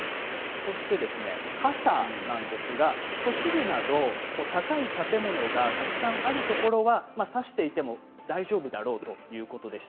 そして傘なんですけれど都市部など高い建物がたくさんあるところは差していても大丈夫だろうということです。